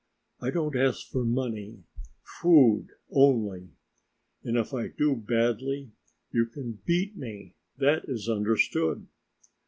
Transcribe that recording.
I don't ask for money; food only. And if I do badly, you can beat me, that is understood.